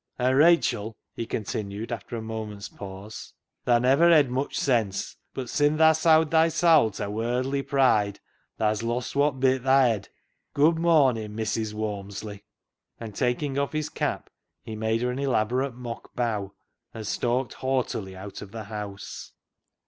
" An', Rachel," he continued, after a moment's pause, *' thaa niver hed much sense, but sin' thaa sowd thy sowl ta warldly pride thaa's lost wot bit thaa hed. Good mornin', Missis Walmsley" and, taking off his cap, he made her an elabor ate mock bow, and stalked haughtily out of the house.